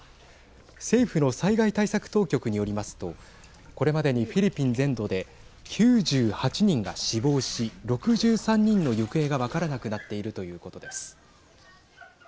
政府の災害対策当局によりますとこれまでにフィリピン全土で９８人が死亡し６３人の行方が分からなくなっているということです。